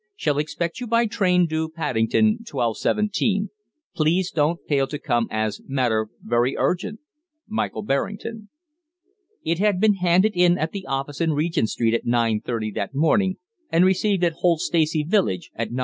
Shall expect you by train due Paddington 12:17. Please don't fail to come as matter very urgent. "MICHAEL BERRINGTON." It had been handed in at the office in Regent Street at 9:30 that morning, and received at Holt Stacey village at 9:43.